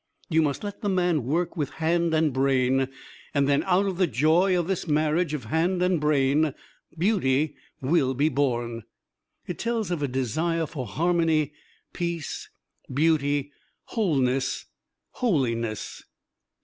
You must let the man work with hand and brain, and then out of the joy of this marriage of hand and brain, beauty will be born. It tells of a desire for harmony, peace, beauty, wholeness holiness.